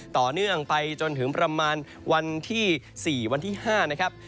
ต่อเนื่องไปจนถึงประมาณวันที่๔วันที่๕นะครับ